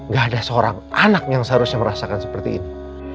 gak ada seorang anak yang seharusnya merasakan seperti ini